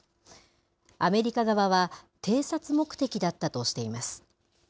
アメリカ側は、偵察目的だったとしています。